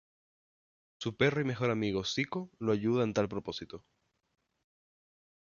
Su perro y mejor amigo Zico lo ayuda a en tal propósito.